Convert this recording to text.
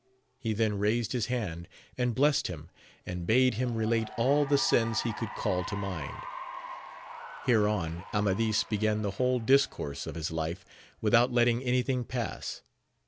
He then raised his hand and blessed him, and bade him relate all the sins he could call to mind. Hereon Amadis began the whole discourse of his life, without letting anythiQg 282 AMADIS OF GAUL. pass.